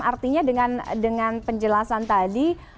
artinya dengan penjelasan tadi